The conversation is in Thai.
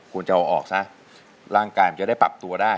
ควรจะเอาออกซะร่างกายมันจะได้ปรับตัวได้